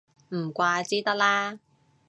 唔怪之得啦